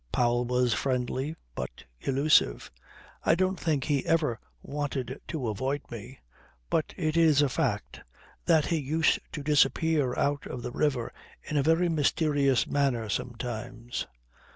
Powell was friendly but elusive. I don't think he ever wanted to avoid me. But it is a fact that he used to disappear out of the river in a very mysterious manner sometimes.